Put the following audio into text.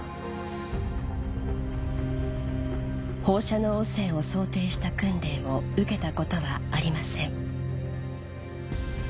放射能汚染を想定した訓練を受けたことはありません